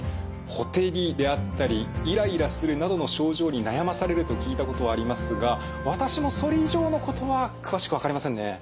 ほてりであったりイライラするなどの症状に悩まされると聞いたことはありますが私もそれ以上のことは詳しく分かりませんね。